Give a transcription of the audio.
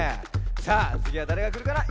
さあつぎはだれがくるかな？